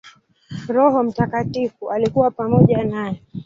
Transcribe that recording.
Roho Mtakatifu alikuwa pamoja naye.